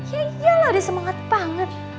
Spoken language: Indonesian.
ya iyalah dia semangat banget